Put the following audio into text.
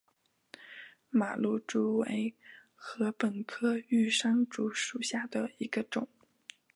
马鹿竹为禾本科玉山竹属下的一个种。